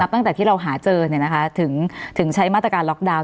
ตั้งแต่ที่เราหาเจอถึงใช้มาตรการล็อกดาวน